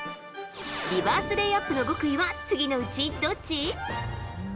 リバースレイアップの極意は次のうち、どっち？